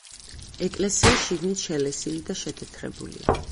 ეკლესია შიგნით შელესილი და შეთეთრებულია.